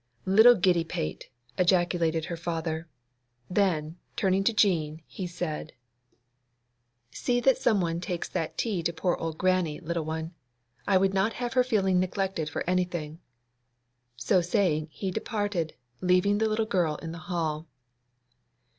'Little giddy pate!' ejaculated her father; then, turning to Jean, he said,— 'See that some one takes that tea to poor old Grannie, little one. I would not have her feel neglected for anything.' So saying, he departed, leaving the little girl in the hall.